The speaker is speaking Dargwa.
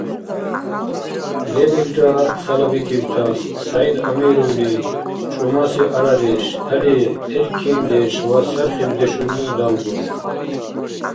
Лебилра цалабикибтас СягӀид Амировли чӀумаси арадеш, талихӀ, эркиндеш ва сархибдешуни далгун.